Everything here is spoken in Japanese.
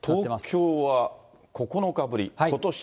東京は９日ぶり、ことし